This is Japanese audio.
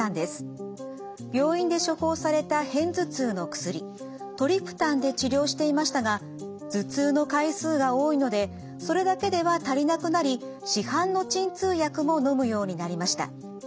病院で処方された片頭痛の薬トリプタンで治療していましたが頭痛の回数が多いのでそれだけでは足りなくなり市販の鎮痛薬ものむようになりました。